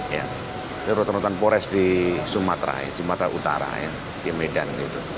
itu rutan rutan pores di sumatera utara di medan